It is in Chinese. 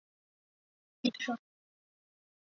普瓦斯基县是美国乔治亚州中部的一个县。